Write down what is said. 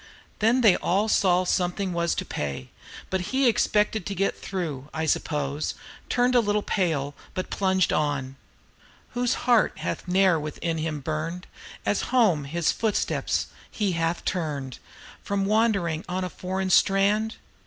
Then they all saw that something was to pay; but he expected to get through, I suppose, turned a little pale, but plunged on, "Whose heart hath ne'er within him burned, As home his footsteps he hath turned From wandering on a foreign strand?